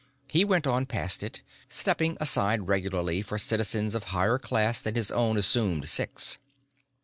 He went on past it, stepping aside regularly for citizens of higher class than his own assumed Six.